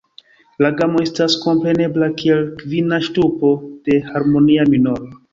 La gamo estas komprenebla kiel kvina ŝtupo de harmonia minoro.